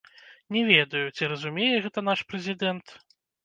Не ведаю, ці разумее гэта наш прэзідэнт.